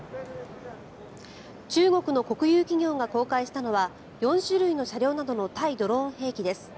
中国の国有企業が公開したのは４種類の車両などの対ドローン兵器です。